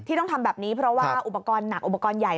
ต้องทำแบบนี้เพราะว่าอุปกรณ์หนักอุปกรณ์ใหญ่